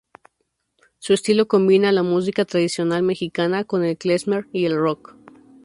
Su estilo combina la música tradicional mexicana con el klezmer y el rock.